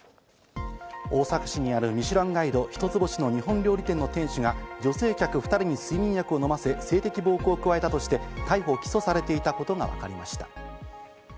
大阪市にある『ミシュランガイド』一つ星の日本料理店の店主が、女性客２人に睡眠薬を飲ませ性的暴行を加えたとして、逮捕・起訴されていたことがわかりました。